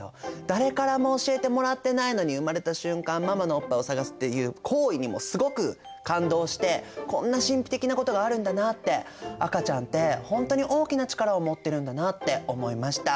誰からも教えてもらってないのに生まれた瞬間ママのおっぱいを探すっていう行為にもすごく感動してこんな神秘的なことがあるんだなって赤ちゃんってほんとに大きな力を持ってるんだなって思いました。